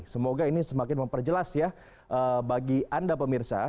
semoga ini semakin memperjelas ya bagi anda pemirsa